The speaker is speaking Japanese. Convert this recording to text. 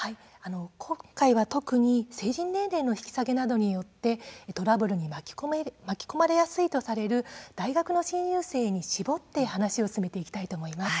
今回は特に成人年齢の引き下げなどによってトラブルに巻き込まれやすいとされる大学の新入生に絞って話を進めていきたいと思います。